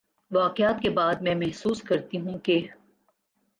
واقعات کے بعد میں محسوس کرتی ہوں کہ